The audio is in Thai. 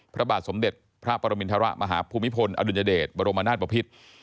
พระบาทสมเด็จพระปรมินทรมาฮภูมิพลอดุลยเดชบรมนาศปภิษ